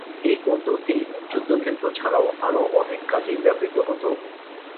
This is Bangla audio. এই পদ্ধতি যুদ্ধক্ষেত্র ছাড়াও আরো অনেক কাজেই ব্যবহৃত হত।